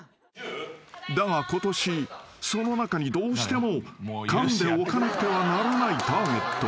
［だがことしその中にどうしてもかんでおかなくてはならないターゲットがいた］